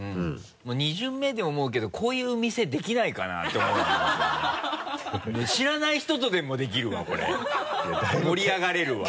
もう二巡目で思うけどこういう店できないかなって思う知らない人とでもできるわこれ盛り上がれるわ。